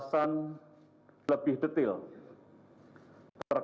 keamanan dan keamanan di dalam perairan